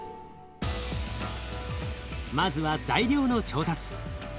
まずは材料の調達。